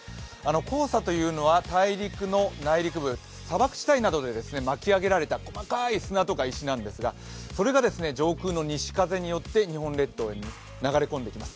黄砂というのは大陸、内陸部、砂漠地帯などで巻き上げられた細かい砂とか石なんですが、それが上空の西風によって日本列島に流れ込んできます。